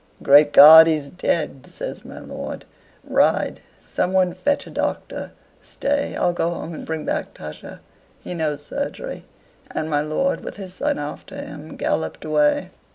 "Great God! he's dead!" says my lord. "Ride, some one: fetch a doctor stay. I'll go home and bring back Tusher; he knows surgery," and my lord, with his son after him, galloped away.